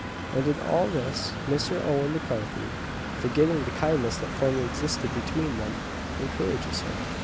and in all this Mr. Owen M'Carthy, forgetting the kindness that formerly existed between them, encourages her.